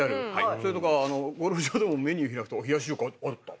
それとかゴルフ場でもメニュー開くと冷やし中華あった！